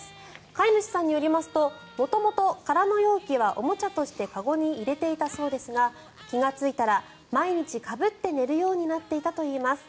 飼い主さんによると元々、空の容器はおもちゃとして籠に入れていたそうですが気がついたら毎日かぶって寝るようになっていたといいます。